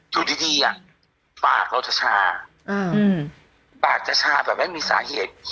อยู่ดีปากเราจะชาปากจะชาแบบไม่มีสาเหตุ